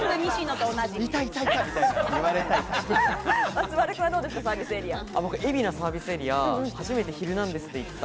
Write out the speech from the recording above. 松丸君どうですか？